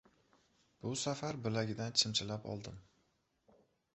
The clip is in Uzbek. Bu safar bilagidan chimchilab oldim.